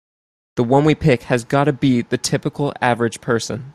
The one we pick has gotta be the typical average person.